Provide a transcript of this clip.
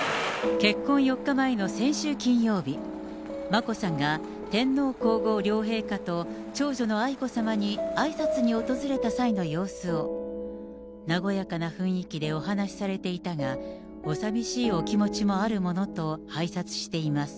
結婚４日前の先週金曜日、眞子さんが天皇皇后両陛下と長女の愛子さまにあいさつに訪れた際の様子を、和やかな雰囲気でお話しされていたが、お寂しいお気持ちもあるものと拝察しています。